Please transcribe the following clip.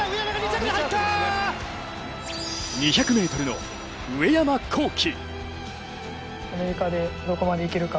２００ｍの上山紘輝。